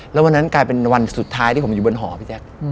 แล้ววันนั้นกลายเป็นวันสุดท้ายที่ผมอยู่บนหอพี่แจ๊ค